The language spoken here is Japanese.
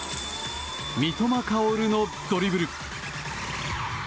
三笘薫のドリブル。